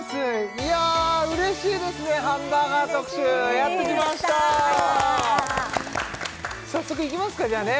いや嬉しいですねハンバーガー特集やっときました嬉しいやった早速いきますかじゃあね